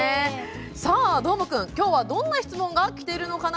さあ、どーもくん、きょうはどんな質問がきてるのかな？